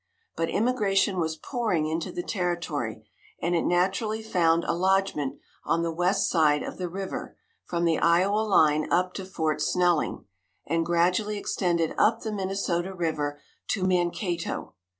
But immigration was pouring into the territory, and it naturally found a lodgment on the west side of the river, from the Iowa line up to Fort Snelling, and gradually extended up the Minnesota river to Mankato.